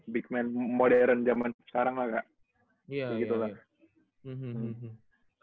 big man modern zaman sekarang lah kak